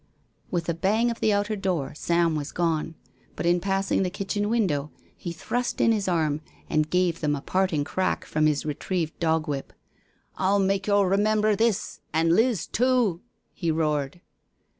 With a bang of the outer door Sam was gone, but in passing the kitchen window he thrust in his arm and gave them a parting crack from his retrieved dog whip. *' I'll mak' yo* remember this, an* Liz too/' he roared.